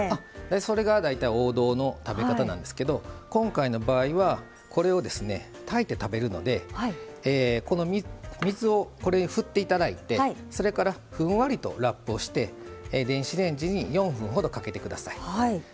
それが大体王道の食べ方なんですけど今回の場合、炊いて食べるので水を、これに振っていただいてそれから、ふんわりとラップをしていただいて電子レンジに４分ほどかけてください。